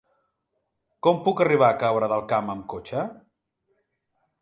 Com puc arribar a Cabra del Camp amb cotxe?